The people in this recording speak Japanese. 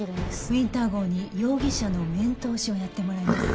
ウィンター号に容疑者の面通しをやってもらいます。